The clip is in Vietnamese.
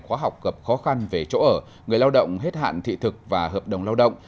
khóa học gặp khó khăn về chỗ ở người lao động hết hạn thị thực và hợp đồng lao động